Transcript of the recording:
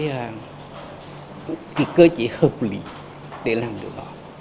cái cơ chế hợp lý để làm được đó